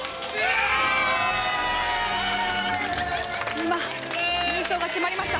今、優勝が決まりました。